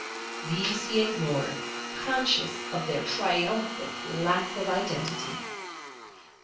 These he ignored, conscious of their triumphant lack of identity.